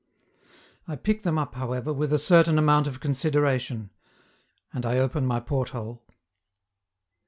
I pick them up, however, with a certain amount of consideration, and I open my port hole.